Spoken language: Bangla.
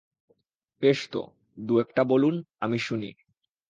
বেশ তো, দু-একটা বলুন, আমি শুনি।